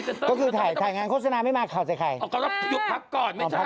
ส่วนใครเห็นพี่เช้ามาข่าวใส่ไข่นี่คือเรื่องบกตินะครับ